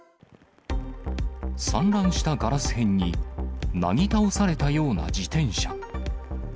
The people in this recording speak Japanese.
散乱したガラス片に、なぎ倒されたような自転車。